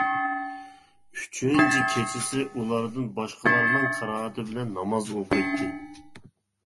ئۈچىنچى كېچىسى ئۇلاردىن باشقىلارنىڭ قىرائىتى بىلەن ناماز ئوقۇيتتى.